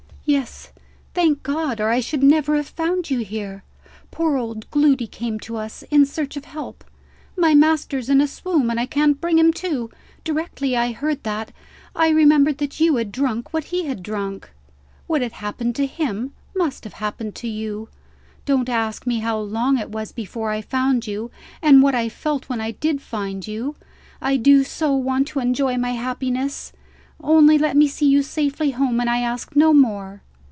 "Yes, thank God or I should never have found you here. Poor old Gloody came to us, in search of help. 'My master's in a swoon, and I can't bring him to.' Directly I heard that, I remembered that you had drunk what he had drunk. What had happened to him, must have happened to you. Don't ask me how long it was before I found you, and what I felt when I did find you. I do so want to enjoy my happiness! Only let me see you safely home, and I ask no more."